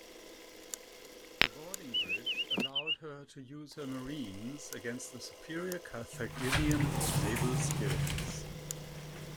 The boarding-bridge allowed her to use her marines against the superior Carthaginian naval skills.